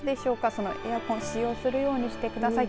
そのエアコン使用するようにしてください。